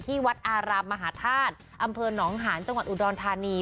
วัดอารามมหาธาตุอำเภอหนองหาญจังหวัดอุดรธานี